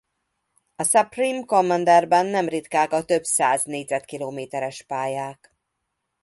A Supreme Commanderben nem ritkák a több száz négyzetkilométeres pályák.